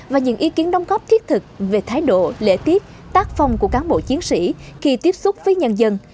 và những ý kiến đóng góp thiết thực về thái độ lễ tiết tác phong của cán bộ chiến sĩ khi tiếp xúc với nhân dân